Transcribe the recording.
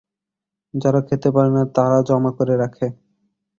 যারা খেতে পারে না তারা জমা করে রাখে।